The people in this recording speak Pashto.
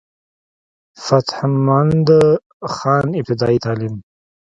فتح مند خان ابتدائي تعليم